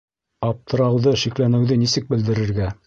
Аптырауҙы, шикләнеүҙе нисек белдерергә